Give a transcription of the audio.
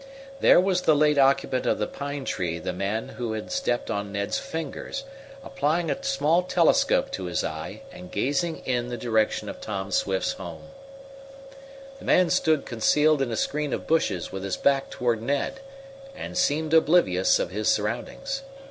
There was the late occupant of the pine tree the man who had stepped on Ned's fingers, applying a small telescope to his eye and gazing in the direction of Tom Swift's home. The man stood concealed in a screen of bushes with his back toward Ned, and seemed oblivious to his surroundings.